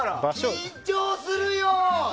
緊張するよー！